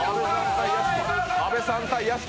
阿部さん対屋敷。